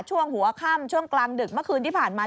ช่วงหัวค่ำช่วงกลางดึกเมื่อคืนที่ผ่านมา